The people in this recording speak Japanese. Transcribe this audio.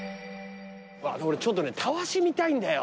俺ちょっとねたわし見たいんだよ。